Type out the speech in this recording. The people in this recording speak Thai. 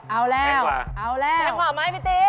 แพงขวาไหมพี่ตี้